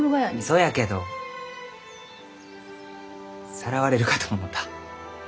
そやけどさらわれるかと思うた。